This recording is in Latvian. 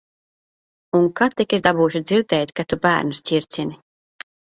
Un kad tik es dabūšu dzirdēt, ka tu bērnus ķircini.